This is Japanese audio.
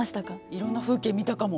いろんな風景見たかも。